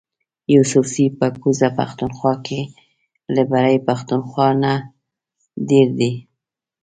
یوسفزي په کوزه پښتونخوا کی له برۍ پښتونخوا نه ډیر دي